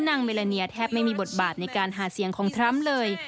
เมลาเนียแทบไม่มีบทบาทในการหาเสียงของทรัมป์เลย